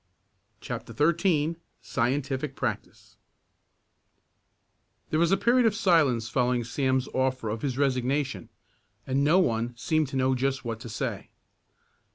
CHAPTER XIII SCIENTIFIC PRACTICE There was a period of silence following Sam's offer of his resignation, and no one seemed to know just what to say.